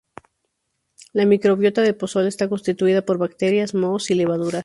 La microbiota del pozol está constituida por bacterias, mohos y levaduras.